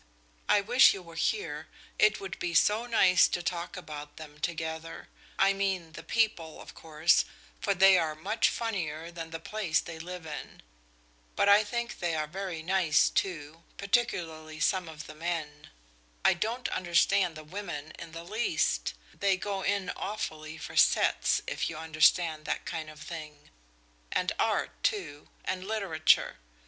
I wish you were here, it would be so nice to talk about them together I mean the people, of course, for they are much funnier than the place they live in. But I think they are very nice, too, particularly some of the men. I don't understand the women in the least they go in awfully for sets, if you understand that kind of thing and art, too, and literature.